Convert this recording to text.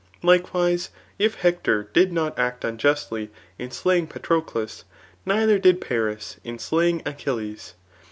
Likewise if Hector did not act un« justly in slaying Patroclus, neither did FsLth in slaying Achilles.